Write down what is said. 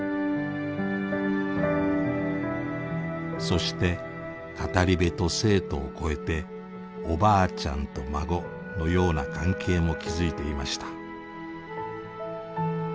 そして語り部と生徒を超えておばあちゃんと孫のような関係も築いていました。